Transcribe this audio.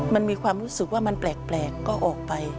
มันมีความรู้สึกว่ามันแปลกก็ออกไป